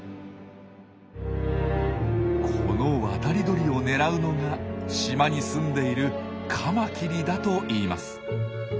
この渡り鳥を狙うのが島にすんでいるカマキリだといいます。